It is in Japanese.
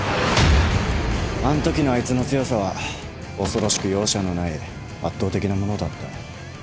あんときのあいつの強さは恐ろしく容赦のない圧倒的なものだった。